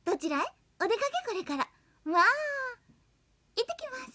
「いってきます。